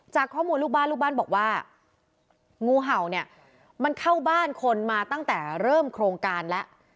จากข้อมูลลูกบ้านลูกบ้านบอกว่างูเห่าเนี่ยมันเข้าบ้านคนมาตั้งแต่เริ่มโครงการแล้ว